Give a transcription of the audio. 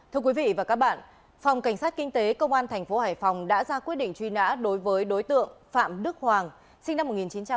thưa quý vị và các bạn phòng cảnh sát kinh tế công an tp hải phòng đã ra quyết định truy nã đối với đối tượng phạm đức hoàng sinh năm một nghìn chín trăm tám mươi